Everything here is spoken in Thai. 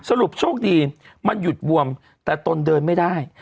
โชคดีมันหยุดบวมแต่ตนเดินไม่ได้